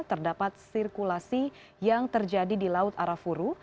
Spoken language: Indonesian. terdapat sirkulasi yang terjadi di laut arafuru